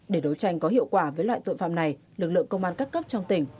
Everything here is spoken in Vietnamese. để đấu tranh có hiệu quả với loại tội phạm này lực lượng công an các cấp trong tỉnh